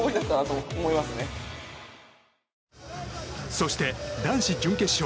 そして男子準決勝。